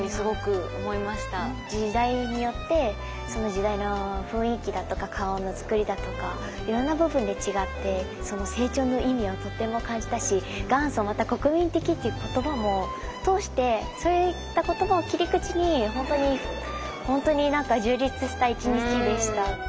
時代によってその時代の雰囲気だとか顔のつくりだとかいろんな部分で違って成長の意味をとても感じたし元祖また国民的っていう言葉も通してそういった言葉を切り口に本当に本当に何か充実した１日でした。